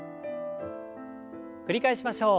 繰り返しましょう。